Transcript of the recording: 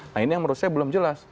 nah ini yang menurut saya belum jelas